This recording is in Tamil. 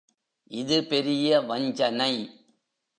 இது பெரிய வஞ்சனை.